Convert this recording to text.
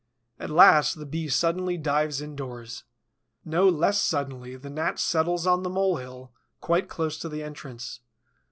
At last, the Bee suddenly dives indoors. No less suddenly the Gnat settles on the mole hill, quite close to the entrance.